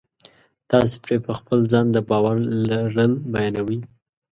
تاسې پرې په خپل ځان د باور لرل بیانوئ